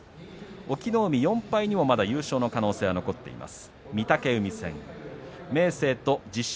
隠岐の海４敗にもまだ優勝の可能性は残っています。